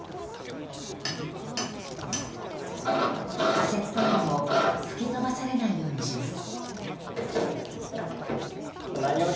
仮設トイレも吹き飛ばされないようにします。